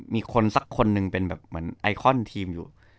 มีคนสักคนหนึ่งเป็นแบบเหมือนไอคอนทีมอยู่